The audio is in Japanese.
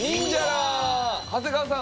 長谷川さん